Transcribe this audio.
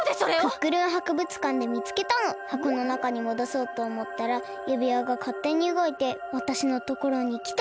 クックルンはくぶつかんでみつけたの。はこのなかにもどそうとおもったらゆびわがかってにうごいてわたしのところにきたの。